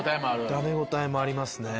食べ応えもありますね。